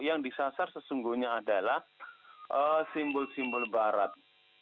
yang disasar sesungguhnya adalah simbol simbol barat